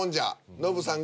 ノブさんが。